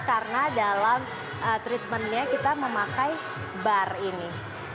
karena dalam treatmentnya kita memakai bar ini